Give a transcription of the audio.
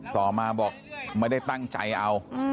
ต่อมาบอกไม่ได้ตั้งใจเอา